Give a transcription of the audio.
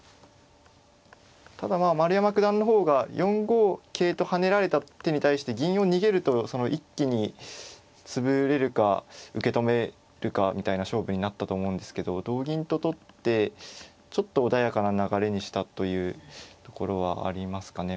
ただまあ丸山九段の方が４五桂と跳ねられた手に対して銀を逃げるとその一気に潰れるか受け止めるかみたいな勝負になったと思うんですけど同銀と取ってちょっと穏やかな流れにしたというところはありますかね。